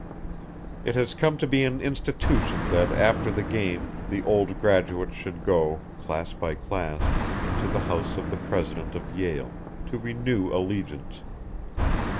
It has come to be an institution that after the game the old graduates should go, class by class, to the house of the president of Yale, to renew allegiance.